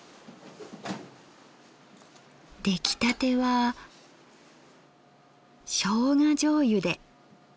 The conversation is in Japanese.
出来たてはしょうがじょうゆで。